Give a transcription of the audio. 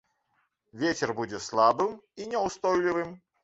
Вецер будзе слабым і няўстойлівым.